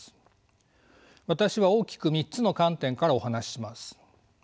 私は大きく３つの観点からお話しします。